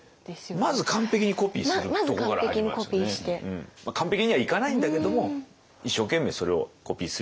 まあ完璧にはいかないんだけども一生懸命それをコピーするように。